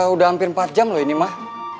udah hampir empat jam loh ini mah